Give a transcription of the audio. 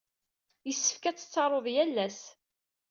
Yessefk ad tettaruḍ yal ass.